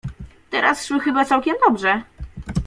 — Teraz szły chyba całkiem dobrze?